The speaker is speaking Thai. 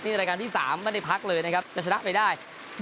นี่รายการที่๓ไม่ได้พักเลยจะชนะไปได้